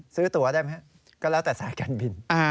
ซื้อตัวได้ไหมก็แล้วแต่สายการบิน